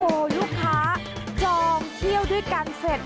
โอ้โหลูกค้าจองเที่ยวด้วยกันเสร็จ